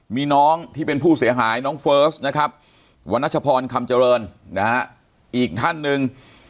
มีน้องที่เป็นผู้เสียหายน้องเฟิร์สนะครับวันนัชพรคำเจริญนะฮะอีกท่านหนึ่ง